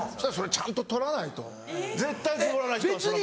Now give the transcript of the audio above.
それちゃんと取らないと絶対ズボラな人は。